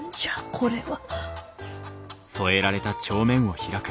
これは。